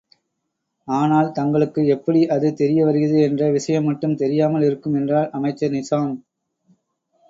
ஆனால் தங்களுக்கு எப்படி அது தெரியவருகிறது என்ற விஷயம் மட்டும் தெரியாமல் இருக்கும் என்றார் அமைச்சர் நிசாம்.